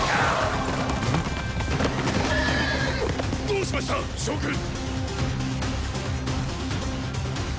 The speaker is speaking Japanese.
どうしました将軍！